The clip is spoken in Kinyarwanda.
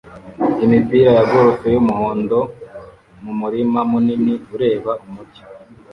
imipira ya golf yumuhondo mumurima munini ureba umujyi